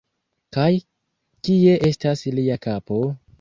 Kaj kie estas lia kapo?!